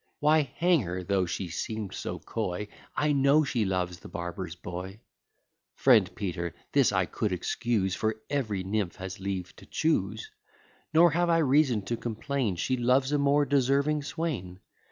Why, hang her; though she seem'd so coy, I know she loves the barber's boy. Friend Peter, this I could excuse, For every nymph has leave to choose; Nor have I reason to complain, She loves a more deserving swain.